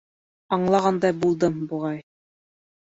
Аңлағандай булдым, буғай.